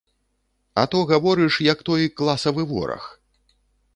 А то гаворыш, як той класавы вораг.